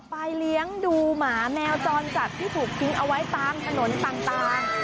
เลี้ยงดูหมาแมวจรจัดที่ถูกทิ้งเอาไว้ตามถนนต่าง